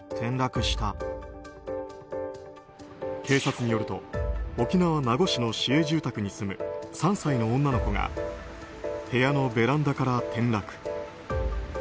警察によると沖縄・名護市の市営住宅に住む３歳の女の子が部屋のベランダから転落。